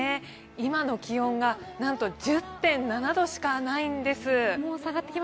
今の気温が、なんと１０．７度しかないんです。